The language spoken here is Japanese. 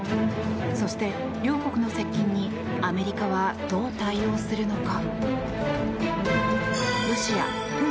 そして両国の接近にアメリカは、どう対応するのか。